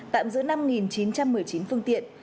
tạm giữ năm chín trăm một mươi chín phương tiện